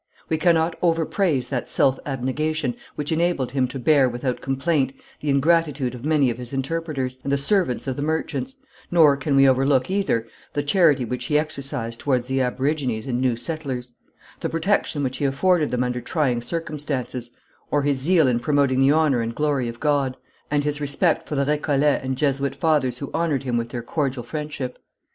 We cannot overpraise that self abnegation which enabled him to bear without complaint the ingratitude of many of his interpreters, and the servants of the merchants; nor can we overlook, either, the charity which he exercised towards the aborigines and new settlers; the protection which he afforded them under trying circumstances, or his zeal in promoting the honour and glory of God, and his respect for the Récollet and Jesuit fathers who honoured him with their cordial friendship.